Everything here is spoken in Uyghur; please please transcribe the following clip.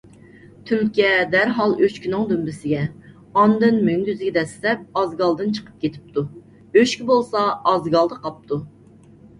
تۈلكە دەرھال ئۆچكىنىڭ دۈمبىسىگە، ئاندىن مۆڭگۈزىگە دەسسەپ ئازگالدىن چىقىپ كېتىپتۇ. ئۆچكە بولسا، ئازگالدا قاپتۇ.